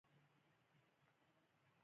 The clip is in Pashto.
سپي له پیشو سره هم دوستي کوي.